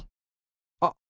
あっ！